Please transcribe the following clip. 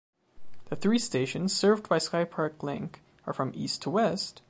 The three stations served by Skypark Link are, from east to west: